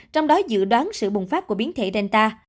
trong đó dự đoán sự bùng phát của biến thể delta